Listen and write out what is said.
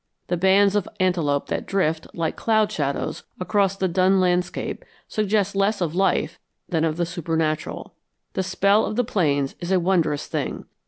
The bands of antelope that drift, like cloud shadows, across the dun landscape suggest less of life than of the supernatural. The spell of the plains is a wondrous thing.